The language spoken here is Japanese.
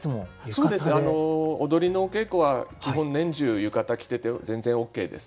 踊りのお稽古は基本年中浴衣着てて全然ＯＫです。